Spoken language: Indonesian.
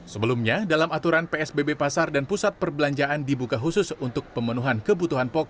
sebelumnya dalam aturan psbb pasar dan pusat perbelanjaan dibuka khusus untuk pemenuhan kebutuhan pokok